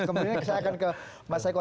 kemudian saya akan ke mas eko